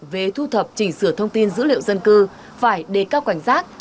về thu thập chỉnh sửa thông tin dữ liệu dân cư phải để các cảnh giác